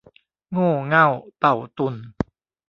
โง่เง่าเต่าตุ่น